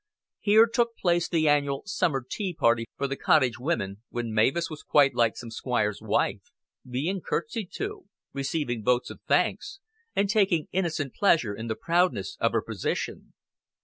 Here took place the annual summer tea party for the cottage women, when Mavis was quite like some squire's wife, being courtesied to, receiving votes of thanks, and taking innocent pleasure in the proudness of her position.